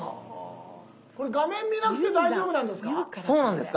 これ画面見なくて大丈夫なんですか？